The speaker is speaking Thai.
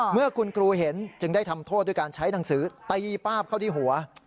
เมื่อคุณครูเห็นจึงได้ทำโทษด้วยการใช้หนังสือตีป้าบเข้าที่หัว